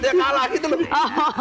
dia kalah gitu loh